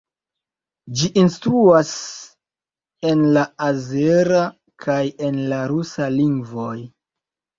Ĝi instruas en la azera kaj en la rusa lingvoj.